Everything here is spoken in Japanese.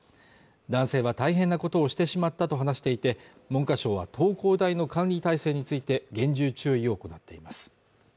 男性は大変なことをしてしまったと話していても歌唱は東工大の管理体制について厳重注意を行っています。